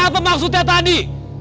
apa maksudnya tadi